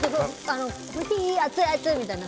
熱い熱いみたいな。